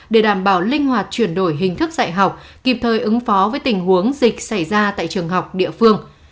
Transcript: để đảm bảo linh hoạt chuyển đổi hình thức dạy học kịp thời ứng phó với tình huống dịch xảy ra tại trường học địa phương